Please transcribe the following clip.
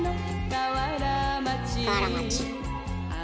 「河原町」。